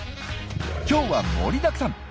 今日は盛りだくさん。